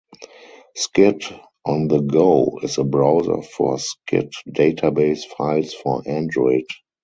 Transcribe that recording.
Scid on the go is a browser for Scid database files for Android.